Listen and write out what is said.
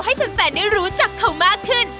ให้แฟนได้รู้จักเขามากขึ้น